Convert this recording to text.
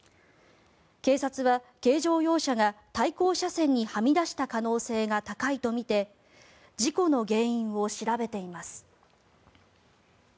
警察は軽乗用車が対向車線にはみ出した可能性が高いとみて事故の原因を調べています。